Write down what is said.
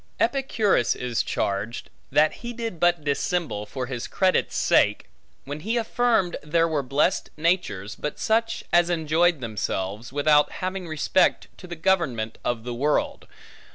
Epicurus is charged, that he did but dissemble for his credit's sake, when he affirmed there were blessed natures, but such as enjoyed themselves, without having respect to the government of the world.